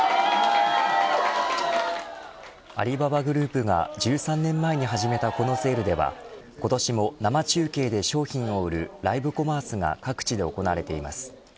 アリババグループが１３年前に始めたこのセールでは今年も生中継で商品を売るライブコマースが各地で行われています。